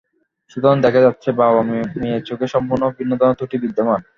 সুতরাং দেখা যাচ্ছে, বাবা মেয়ের চোখে সম্পূর্ণ ভিন্ন ধরনের ত্রুটি বিদ্যমান।